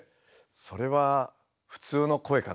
それは普通の声かな？